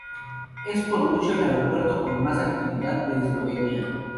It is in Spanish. Es por mucho el aeropuerto con más actividad de Eslovenia.